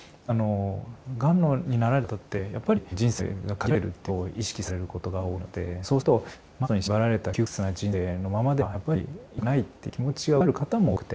がんになられた方ってやっぱり人生が限られてるっていうことを意識されることが多いのでそうすると「ｍｕｓｔ」に縛られた窮屈な人生のままではやっぱりいたくないっていうような気持ちが動かれる方も多くて。